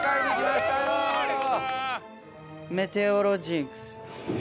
メテオロジンクス。